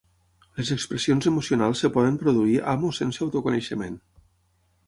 Les expressions emocionals es poden produir amb o sense autoconeixement.